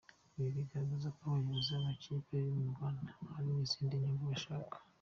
Ibi bigaragaza ko abayobozi b’amakipe yo mu Rwanda hari izindi nyungu bashaka ?.